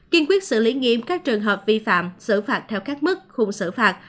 kiên quyết xử lý nghiêm các trường hợp vi phạm xử phạt theo các mức khung xử phạt